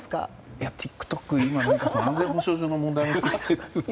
いや、ＴｉｋＴｏｋは安全保障上の問題も。